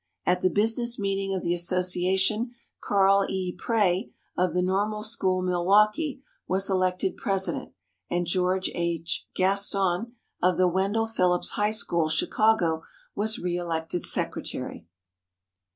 At the business meeting of the association, Carl E. Pray, of the Normal School, Milwaukee, was elected president, and George H. Gaston, of the Wendell Phillips High School, Chicago, was re elected secretary.